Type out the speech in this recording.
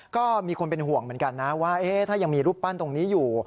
ก็มีคนเป็นห่วงเหมือนกันนะว่าถ้ายังมีรูปปั้นตรงนี้อยู่